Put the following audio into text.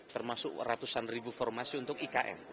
termasuk ratusan ribu formasi untuk ikn